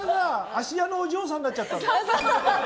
「芦屋のお嬢さん」になっちゃったんだ。